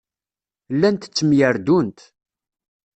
Llant ttemyerdunt.